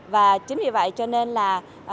và chính vì vậy cho nên là